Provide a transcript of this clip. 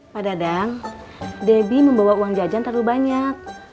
pak dadang debbie membawa uang jajan terlalu banyak